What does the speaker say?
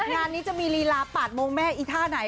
งานนี้จะมีลีลา๘โมงแม่อีท่าไหน